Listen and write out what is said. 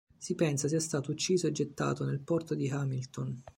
Si pensa sia stato ucciso e gettato nel porto di Hamilton.